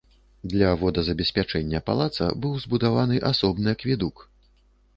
Для водазабеспячэння палаца быў збудаваны асобны акведук.